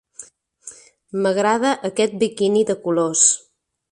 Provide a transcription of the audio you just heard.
M'agrada aquest biquini de colors.